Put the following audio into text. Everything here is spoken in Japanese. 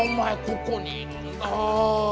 ここにいるんだ。